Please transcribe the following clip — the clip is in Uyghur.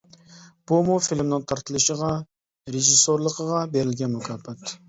بۇمۇ فىلىمنىڭ تارتىلىشىغا، رېژىسسورلۇقىغا بېرىلگەن مۇكاپات.